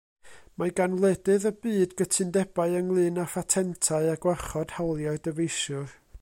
Mae gan wledydd y byd gytundebau ynglŷn â phatentau a gwarchod hawliau'r dyfeisiwr.